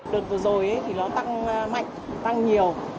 đợt vừa rồi thì nó tăng mạnh tăng nhiều